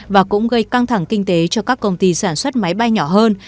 và cũng gây căng thẳng kinh tế cho các công ty sản xuất máy bay nhỏ hơn